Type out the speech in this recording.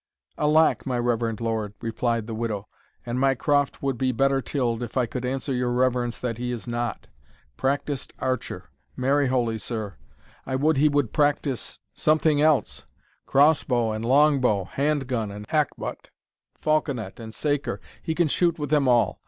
"Alack! my reverend lord," replied the widow, "and my croft would be better tilled, if I could answer your reverence that he is not. Practised archer! marry, holy sir, I would he would practise something else cross bow and long bow, hand gun and hack but, falconet and saker, he can shoot with them all.